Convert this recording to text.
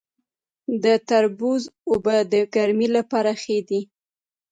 د تربوز اوبه د ګرمۍ لپاره ښې دي.